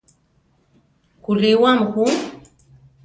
¿Kulíwami ju?